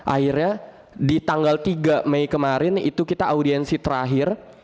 akhirnya di tanggal tiga mei kemarin itu kita audiensi terakhir